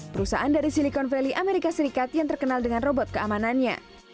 perusahaan dari silicon valley amerika serikat yang terkenal dengan robot keamanannya